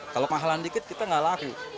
kalau mahalan dikit kita nggak laku